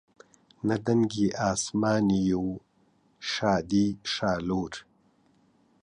نە دەنگی ئاسمانی و شادیی شالوور